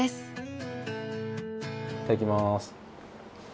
いただきます。